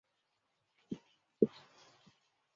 斛斯椿之孙。